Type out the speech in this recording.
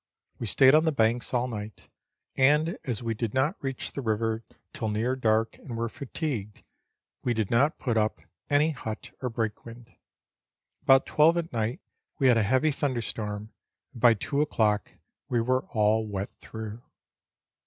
We stayed on the banks all night, and as we did not reach the river till near dark and were fatigued, we did not put up any hut or breakwind. About twelve at night we had a heavy thunder storm, and by two o'clock we were all wet through.